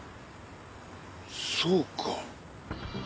そうか。